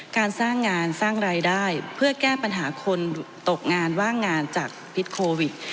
การสร้างงานสร้างรายได้เพื่อแก้ปัญหาคนตกงานว่างงานจากพิษโควิด